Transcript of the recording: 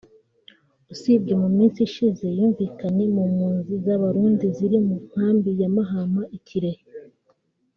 usibye mu minsi ishize yumvikanye mu mpunzi z’Abarundi ziri mu Nkambi ya Mahama i Kirehe